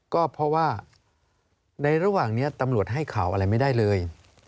ก็เพราะว่าในระหว่างนี้ตำรวจให้ข่าวอะไรไม่ได้เลย